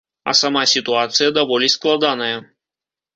А сама сітуацыя даволі складаная.